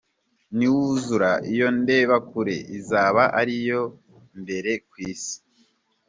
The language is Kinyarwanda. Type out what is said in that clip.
Niwuzura, iyo ndebakure izaba ariyo ya mbere ku isi.